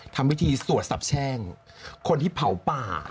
ทำพิธีสวดสับแช่งคนที่เผาป่า